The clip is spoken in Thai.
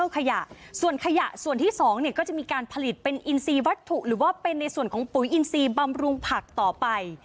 ขยะส่วนขยะส่วนที่๒เนี่ยก็จะมีการผลิตเป็นอินซีวัตถุหรือว่าเป็นในส่วนของปุ๋ยอินซีบำรุงผักต่อไป